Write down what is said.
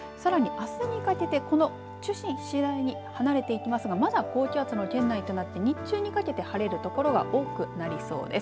さらにあすにかけてこの中心次第に離れていきますがまだ高気圧の圏内となって日中にかけて晴れる所が多くなりそうです。